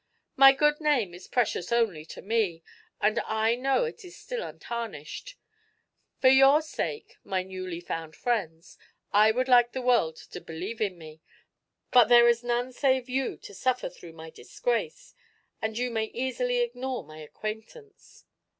"My good name is precious only to me, and I know it is still untarnished. For your sake, my newly found friends, I would like the world to believe in me, but there is none save you to suffer through my disgrace, and you may easily ignore my acquaintance."